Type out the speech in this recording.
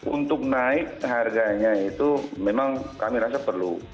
untuk naik harganya itu memang kami rasa perlu